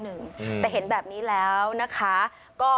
ต้องใช้ใจฟัง